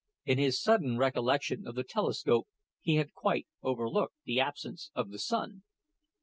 In his sudden recollection of the telescope he had quite overlooked the absence of the sun.